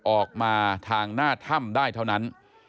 ออกมาทางหน้าถ้ำได้เท่านั้น